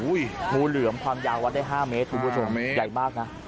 โอ้ยงูเหลือมความยาววัดได้๕เมตรอุปกรณ์สวรรค์ใหญ่มากนะ